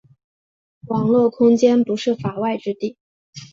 网络空间不是“法外之地”。